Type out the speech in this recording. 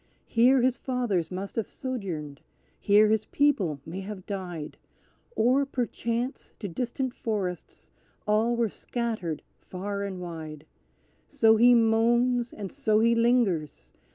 Here his fathers must have sojourned here his people may have died, Or, perchance, to distant forests all were scattered far and wide. So he moans and so he lingers!